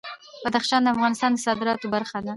بدخشان د افغانستان د صادراتو برخه ده.